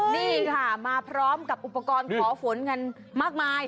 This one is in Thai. นี่ค่ะมาพร้อมกับอุปกรณ์ขอฝนกันมากมาย